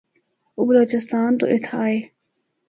او بلوچستان تو اِتھا آئے۔